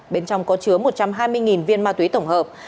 bên trong có chứa một trăm hai mươi viên ma túy tổng hợp